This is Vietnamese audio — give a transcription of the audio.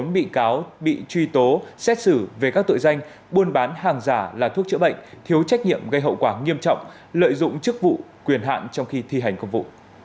một mươi bị cáo bị truy tố xét xử về các tội danh buôn bán hàng giả là thuốc chữa bệnh thiếu trách nhiệm gây hậu quả nghiêm trọng lợi dụng chức vụ quyền hạn trong khi thi hành công vụ